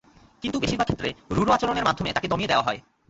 কিন্তু বেশির ভাগ ক্ষেত্রে রূঢ় আচরণের মাধ্যমে তাকে দমিয়ে দেওয়া হয়।